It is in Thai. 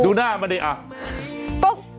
ดูหน้ามันเข้าไป